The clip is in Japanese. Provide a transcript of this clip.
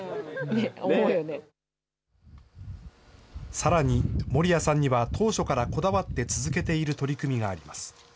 さらに森谷さんには、当初からこだわって続けている取り組みがあります。